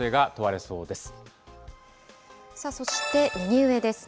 そして、右上ですね。